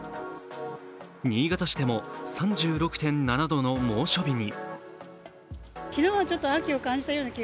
新潟市でも３６．７度の猛暑日に。